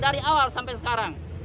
dari awal sampai sekarang